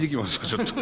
ちょっと。